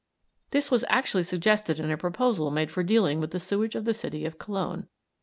This was actually suggested in a proposal made for dealing with the sewage of the city of Cologne.